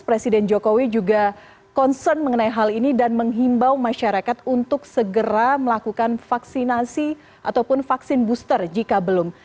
presiden jokowi juga concern mengenai hal ini dan menghimbau masyarakat untuk segera melakukan vaksinasi ataupun vaksin booster jika belum